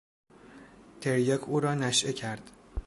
تریاک او را نشئه کرد.